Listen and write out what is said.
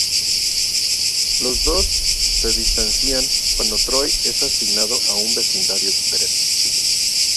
Los dos se distancian cuando Troy es asignado a un vecindario diferente.